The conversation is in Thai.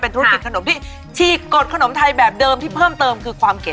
ธุรกิจขนมที่ฉีกกดขนมไทยแบบเดิมที่เพิ่มเติมคือความเก๋